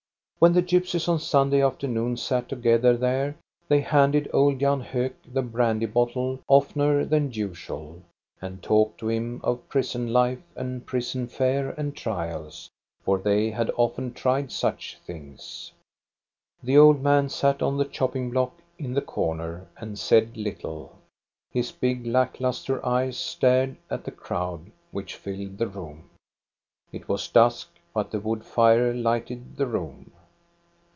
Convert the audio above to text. When the gypsies on Sunday afternoon sat together there, they handed old Jan Hok the brandy bottle oftener than usual, and talked to him of prison life and prison fare and trials; for they had often tried such things. The old man sat on the chopping block in the corner and said little. His big lack lustre eyes stared at the crowd which filled the room. It was dusk, but the wood fire lighted the room.